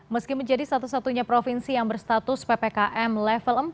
meski menjadi satu satunya provinsi yang berstatus ppkm level empat